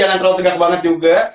jangan terlalu tegak banget juga